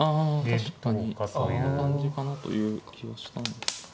確かにそんな感じかなという気はしたんです。